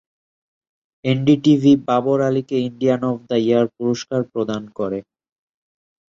NDTV Babar আলীকে Indian of the year পুরস্কার প্রদান করে।